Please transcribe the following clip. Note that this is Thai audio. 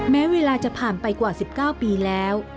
แม้เวลาจะผ่านไปกว่า๑๙ปีแล้ว